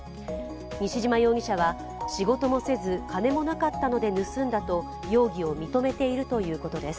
西嶋容疑者は仕事もせず金もなかったので盗んだと容疑を認めているということです。